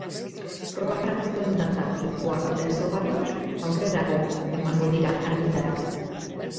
Proba praktikoen data, lekua e eta ezaugarriak aurrerago emango dira argitara.